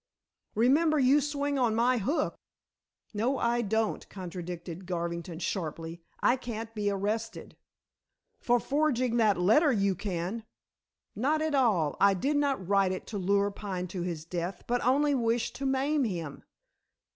Remember you swing on my hook." "No, I don't," contradicted Garvington sharply. "I can't be arrested." "For forging that letter you can!" "Not at all. I did not write it to lure Pine to his death, but only wished to maim him."